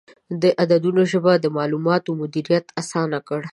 د عددونو ژبه د معلوماتو مدیریت اسانه کړ.